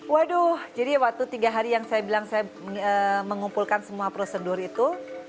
waduh jadi waktu tiga hari yang saya bilang saya mengumpulkan semua prosedur itu